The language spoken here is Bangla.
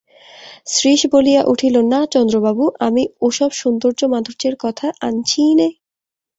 শ্রীশ বলিয়া উঠিল, না চন্দ্রবাবু, আমি ও-সব সৌন্দর্য-মাধুর্যের কথা আনছিই নে।